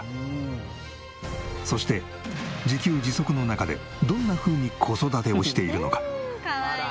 そして自給自足の中でどんなふうに子育てをしているのか？